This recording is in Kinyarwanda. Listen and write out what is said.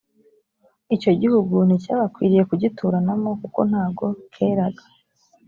icyo gihugu nticyabakwiriye kugituranamo kuko ntago keraga